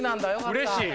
うれしい。